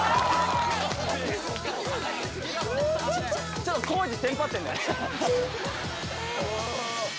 ちょっと康二テンパってんね